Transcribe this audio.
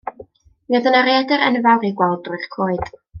Mi oedd yna raeadr enfawr i'w gweld drwy'r coed.